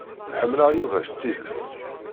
Ḥemmleɣ Yuba s tidet.